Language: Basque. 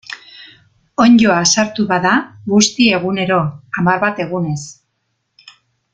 Onddoa sartu bada, busti egunero, hamar bat egunez.